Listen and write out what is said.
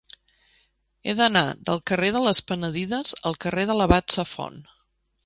He d'anar del carrer de les Penedides al carrer de l'Abat Safont.